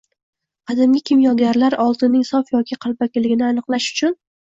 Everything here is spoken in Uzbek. Qadimgi kimyogarlar oltinning sof yoki qalbakiligini aniqlash uchun